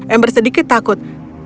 amber sedikit takut